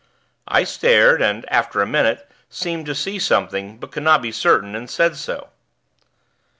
I stared, and, after a minute, seemed to see something, but could not be certain, and said so.